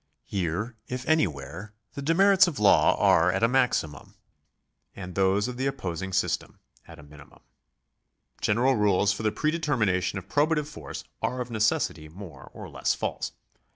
Here, if anywhere, the demerits of law are at a maximum, and those of the opposing system at a minimum. General rules for the predetermination of probative force are of necessity more or less false.